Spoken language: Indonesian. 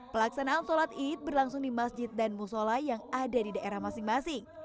pelaksanaan sholat id berlangsung di masjid dan musola yang ada di daerah masing masing